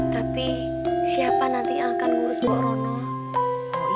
tapi siapa nanti yang akan urus bu rono